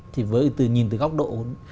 thì nhìn từ góc độ